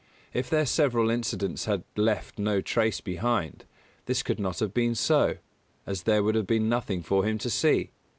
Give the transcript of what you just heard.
If their several incidents had left no trace behind, this could not have been so, as there would have been nothing for him to see.